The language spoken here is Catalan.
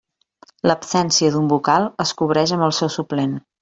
L'absència d'un vocal es cobreix amb el seu suplent.